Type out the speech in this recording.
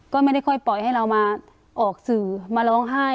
ก็ไม่ได้ค่อยปล่อยให้เรามาออกสื่อมาร้องไห้